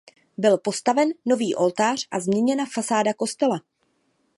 Byl postaven nový oltář a změněna fasáda kostela.